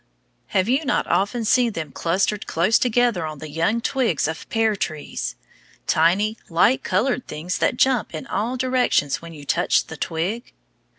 Have you not often seen them clustered close together on the young twigs of pear trees tiny, light colored things that jumped in all directions when you touched the twig?